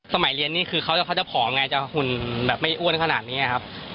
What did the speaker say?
สมัยเรียนนี่คือเขาจะผอมไงจะหุ่นแบบไม่อ้วนขนาดนี้ครับ